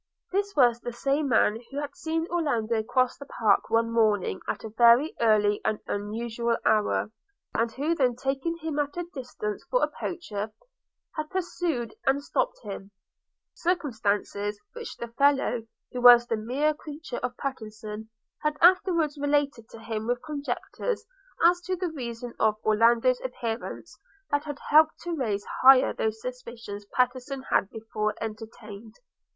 This was the same man who had seen Orlando cross the park one morning at a very early and unusual hour, and who then taking him at a distance for a poacher, had pursued and stopped him; circumstances which the fellow, who was the mere creature of Pattenson, had afterwards related to him with conjectures as to the reason of Orlando's appearance that had helped to raise higher those suspicions Pattenson had before entertained.